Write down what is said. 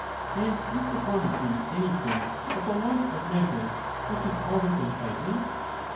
And is deformity anjrthing but the want of measure, which is always unsightly